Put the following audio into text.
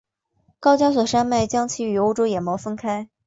高加索山脉将其与欧洲野猫分开。